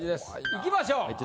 いきましょう。